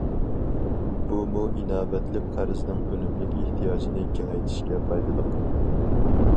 بۇمۇ ئىناۋەتلىك قەرزنىڭ ئۈنۈملۈك ئېھتىياجىنى كېڭەيتىشكە پايدىلىق.